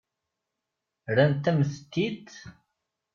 Rrant-am-tent-id.